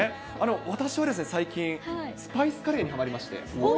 私は最近、スパイスカレーにはまりまして。